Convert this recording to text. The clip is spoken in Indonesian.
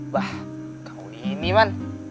bah kau ini man